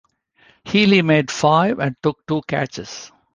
Healy made five and took two catches.